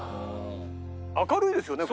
明るいですよね！